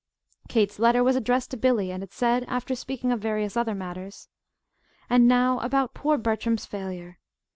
Kate's letter was addressed to Billy, and it said, after speaking of various other matters: "And now about poor Bertram's failure."